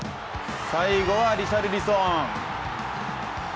最後はリシャルリソン。